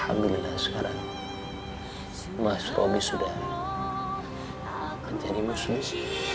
alhamdulillah sekarang mas robi sudah menjadi muslim